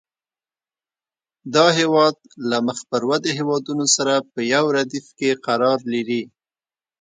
دا هېواد له مخ پر ودې هېوادونو سره په یو ردیف کې قرار لري.